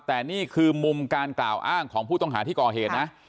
แต่นี่คือมุมการกล่าวอ้างของผู้ต้องหาที่ก่อเหตุนะ